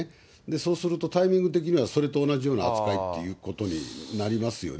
そうすると、タイミング的にはそれと同じような扱いということになりますよね。